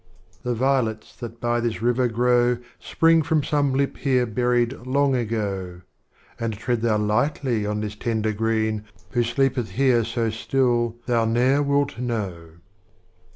The Violets that by this River grow. Spring from some Lip here buried long ago ;— And tread thou lightly on this Tender Green, Who sleepethhere so still, thou ne'er wilt know.